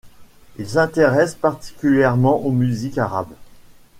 Il s'intéresse particulièrement aux musiques arabes.